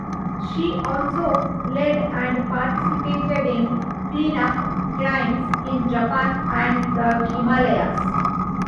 She also led and participated in "clean-up" climbs in Japan and the Himalayas.